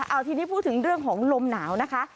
เอาทีนี้พูดถึงเรื่องของลมหนาวนะคะ